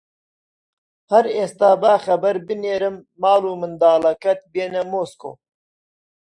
هەر ئێستا با خەبەر بنێرم ماڵ و منداڵەکەت بێنە مۆسکۆ